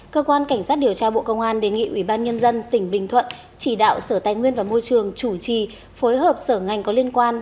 cơ quan cảnh sát điều tra bộ công an đề nghị ubnd tp bình thuận chỉ đạo sở tài nguyên và môi trường chủ trì phối hợp sở ngành có liên quan